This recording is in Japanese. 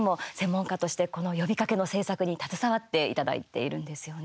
矢守さんも専門家としてこの呼びかけの制作に携わっていただいているんですよね。